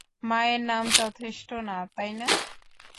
মায়ের নাম যথেষ্ট না, তাই না?